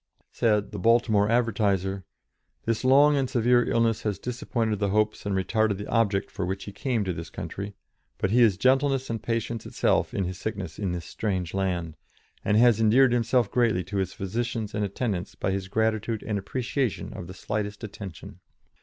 Said the Baltimore Advertiser: "This long and severe illness has disappointed the hopes and retarded the object for which he came to this country; but he is gentleness and patience itself in his sickness in this strange land, and has endeared himself greatly to his physicians and attendants by his gratitude and appreciation of the slightest attention."